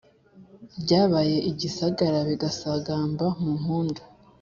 Byabaye igisagara bigasagamba mu mpundu